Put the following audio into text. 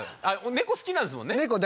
猫好きなんですもんね。